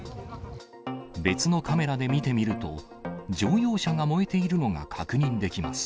別のカメラで見てみると、乗用車が燃えているのが確認できます。